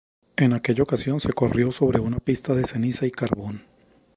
En aquella ocasión se corrió sobre una pista de ceniza y carbón.